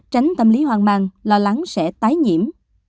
tránh tâm lý hoang mang lo lắng sẽ tái nhiễm